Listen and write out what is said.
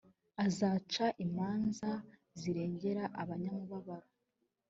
azaca imanza zirengera abanyamubabaro